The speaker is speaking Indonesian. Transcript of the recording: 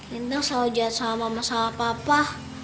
lintang selalu jahat sama mama sama papa